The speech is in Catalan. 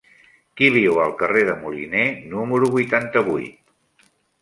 Qui viu al carrer de Moliné número vuitanta-vuit?